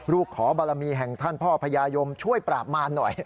ขอบารมีแห่งท่านพ่อพญายมช่วยปราบมารหน่อย